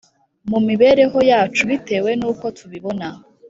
mu mibereho yacu bitewe nuko tubibona